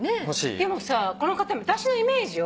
でもさこの方も私のイメージよ。